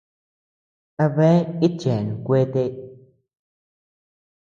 ¿A bea itcheanu kuete?